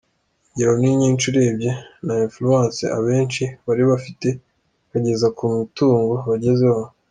Ingero ni nyinshi urebye na influence abenshi bari bafite, ukageza ku mitungo bagezeho.